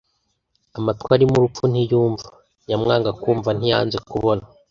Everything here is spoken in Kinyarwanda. Amatwi arimo urupfu ntiyumva. Nyamwanga kumva ntiyanze kubona.